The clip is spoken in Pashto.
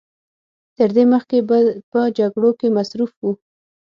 تر دې مخکې به په جګړو کې مصروف و.